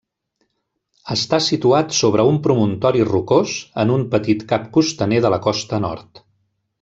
Està situat sobre un promontori rocós, en un petit cap costaner de la costa nord.